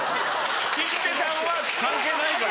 吉瀬さんは関係ないから。